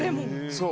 そう。